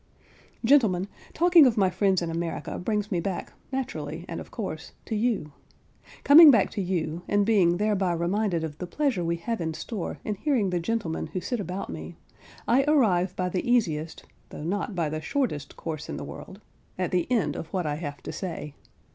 Gentlemen, talking of my friends in America, brings me back, naturally and of course, to you. Coming back to you, and being thereby reminded of the pleasure we have in store in hearing the gentlemen who sit about me, I arrive by the easiest, though not by the shortest course in the world, at the end of what I have to say.